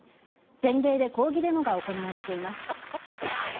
全米で抗議デモが行われています。